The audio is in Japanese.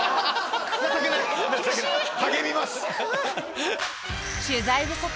励みます！